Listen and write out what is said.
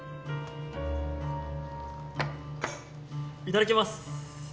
いただきます。